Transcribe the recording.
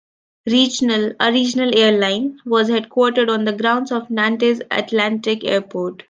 Regional, a regional airline, was headquartered on the grounds of Nantes Atlantique Airport.